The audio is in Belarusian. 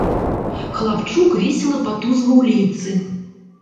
Хлапчук весела патузваў лейцы.